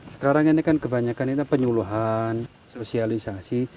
sekarang ini kan kebanyakan itu penyuluhan sosialisasi